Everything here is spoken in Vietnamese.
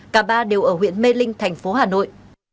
cả ba đều ở huyện mê linh thành phố hà nội